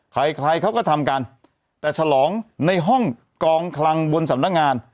ใครใครเขาก็ทำกันแต่ฉลองในห้องกองคลังบนสำนักงาน